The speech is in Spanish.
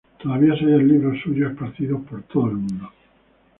Todavía se hallan libros suyos esparcidos por todo el mundo.